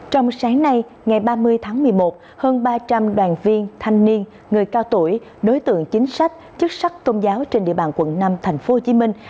trong sáng nay ngày ba mươi tháng một mươi một hơn ba trăm linh đoàn viên thanh niên người cao tuổi đối tượng chính sách chức sắc tôn giáo trên địa bàn quận năm thành phố hồ chí minh